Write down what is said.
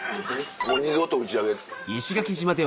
もう二度と打ち上げ。